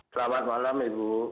selamat malam ibu